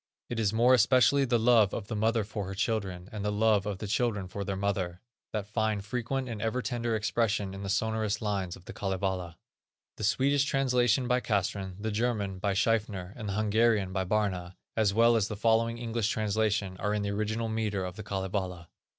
It is more especially the love of the mother for her children, and the love of the children for their mother, that find frequent and ever tender expression in the sonorous lines of the Kalevala. The Swedish translation by Castrén, the German, by Schiefner, and the Hungarian, by Barna, as well as the following English translation, are in the original metre of the Kalevala.